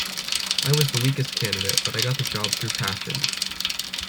I was the weakest candidate, but I got the job through passion.